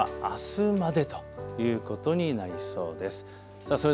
晴れはあすまでということになりそうです。